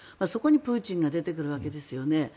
そこにプーチンが出てくるわけですよね。